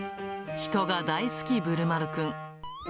人が大好きぶるまるくん。